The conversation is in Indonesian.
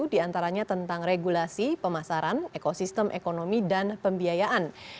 diantaranya tentang regulasi pemasaran ekosistem ekonomi dan pembiayaan